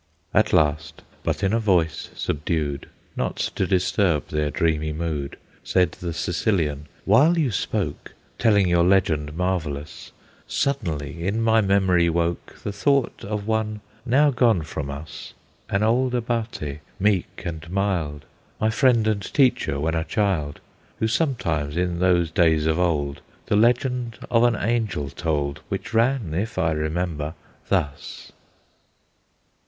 At last, but in a voice subdued, Not to disturb their dreamy mood, Said the Sicilian: "While you spoke, Telling your legend marvellous, Suddenly in my memory woke The thought of one, now gone from us, An old Abate, meek and mild, My friend and teacher, when a child, Who sometimes in those days of old The legend of an Angel told, Which ran, if I remember, thus."